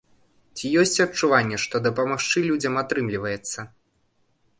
Ці ёсць адчуванне, што дапамагчы людзям атрымліваецца?